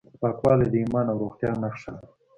پاکوالی د ایمان او روغتیا نښه ده.